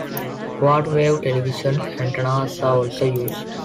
Quarter-wave television antennas are also used.